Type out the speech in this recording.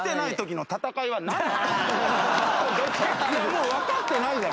もうわかってないじゃん！